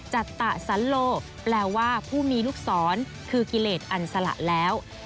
จัตตะสันโลแปลว่าผู้มีลูกศรคือกิเลสอันสละแล้ว